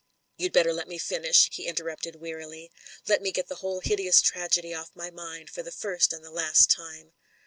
"You'd better let me finish/' he interrupted wearily. "Let me get the whole hideous tragedy off my mind for the first and the last time.